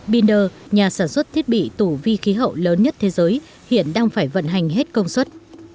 binder nhà sản xuất thiết bị tủ vi khí hậu lớn nhất thế giới hiện đang phải vận hành hết công suất